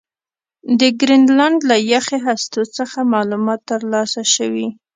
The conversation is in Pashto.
د ګرینلنډ له یخي هستو څخه معلومات ترلاسه شوي